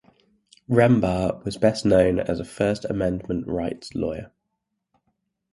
Rembar was best known as a First Amendment rights lawyer.